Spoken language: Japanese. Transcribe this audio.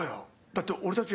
だって俺たち。